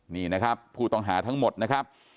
นี่นะครับผู้ต้องหาทั้งหมดนะครับ